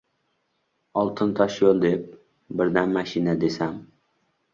Oldin toshyo‘l deb, birdan mashina desam.